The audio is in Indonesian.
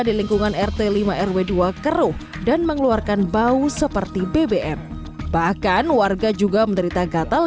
dari air air minum itu sebetulnya yang diperlukan